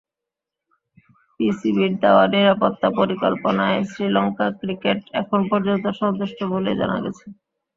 বিসিবির দেওয়া নিরাপত্তা পরিকল্পনায় শ্রীলঙ্কা ক্রিকেট এখন পর্যন্ত সন্তুষ্ট বলেই জানা গেছে।